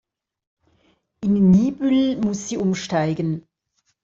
In Niebüll muss sie umsteigen.